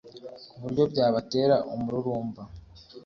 ku buryo byabatera umururumba